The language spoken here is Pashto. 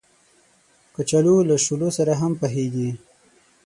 کچالو له شولو سره هم پخېږي